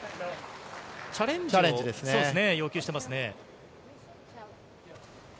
チャレンジを要求してますね。